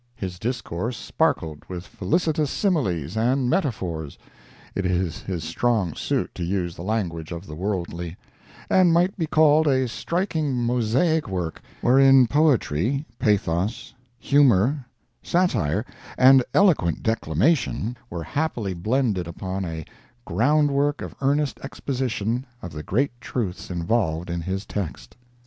His discourse sparkled with felicitous similes and metaphors (it is his strong suit to use the language of the worldly,) and might be called a striking mosaic work, wherein poetry, pathos, humor, satire and eloquent declamation were happily blended upon a ground work of earnest exposition of the great truths involved in his text.